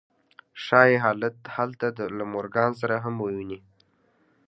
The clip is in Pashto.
ښایي هلته له مورګان سره هم وویني